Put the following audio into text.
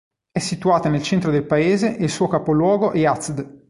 È situata nel centro del paese e il suo capoluogo è Yazd.